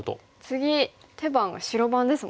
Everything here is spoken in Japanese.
次手番が白番ですもんね。